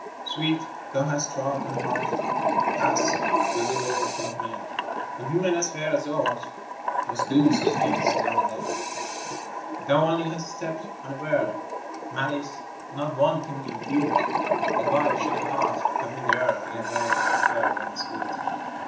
OWEET, thou hast trod on a heart, ^ Pass ! there's a world full of men ; And women as fair as thou art Must do such things now and then. Thou only hast stepped unaware, — Malice, not one can impute; And why should a heart have been there In the way of a fair woman's foot?